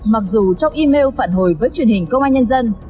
mặc dù trong email phản hồi với truyền hình công an nhân dân